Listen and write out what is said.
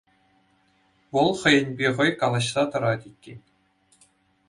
Вӑл хӑйӗнпе хӑй калаҫса тӑрать иккен.